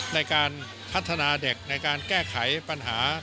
ในการพัฒนาเด็กในการแก้ไขปัญหา